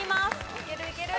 いけるいける。